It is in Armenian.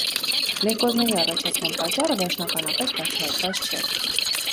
Լեյկոզների առաջացման պատճառը վերջնականապես բացահայտված չէ։